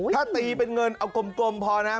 ถ้าตีเป็นเงินเอากลมพอนะ